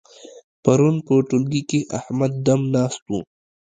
پرون په ټولګي کې احمد دم ناست وو.